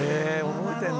覚えてんだ。